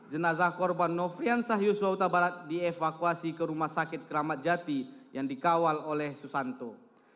jenazah korban nofrian sahyus yota barat dievakuasi ke rumah sakit keramat jati yang dikawal oleh susanto